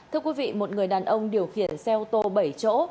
thưa quý vị một người đàn ông điều khiển xe ô tô bảy chỗ